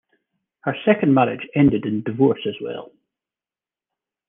Her second marriage ended in divorce as well.